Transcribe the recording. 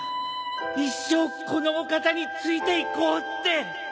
一生このお方についていこうって！